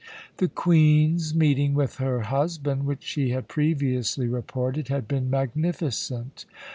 The Queen's meeting with her husband, which she had previously reported, had been magnificent.